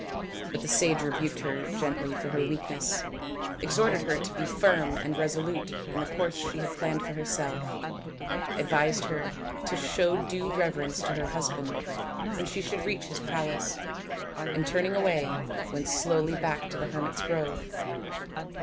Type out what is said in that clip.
But the sage rebuked her gently for her weakness, exhorted her to be firm and resolute in the course she had planned for herself; advised her to show due reverence to her husband when she should reach his palace ; and turning away went slowly back to ths hermits' grove.